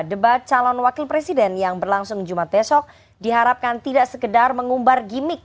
debat calon wakil presiden yang berlangsung jumat besok diharapkan tidak sekedar mengumbar gimmick